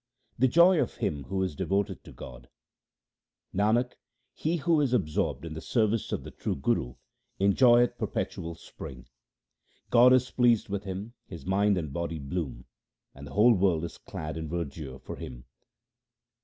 The joy of him who is devoted to God :— Nanak, he who is absorbed in the service of the true Guru, enjoyeth perpetual spring. God is pleased with him, his mind and body bloom, and the whole world is clad in verdure for him.